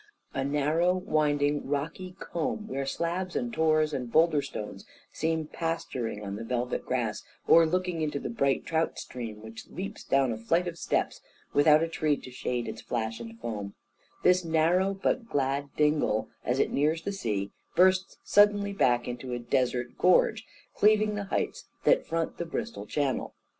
A narrow winding rocky combe, where slabs, and tors, and boulder stones, seem pasturing on the velvet grass, or looking into the bright trout stream, which leaps down a flight of steps without a tree to shade its flash and foam; this narrow, but glad dingle, as it nears the sea, bursts suddenly back into a desert gorge, cleaving the heights that front the Bristol Channel.